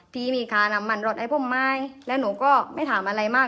พี่มีค่าน้ำมันรถให้ผมไหมแล้วหนูก็ไม่ถามอะไรมาก